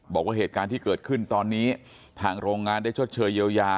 บอกว่าเหตุการณ์ที่เกิดขึ้นตอนนี้ทางโรงงานได้ชดเชยเยียวยา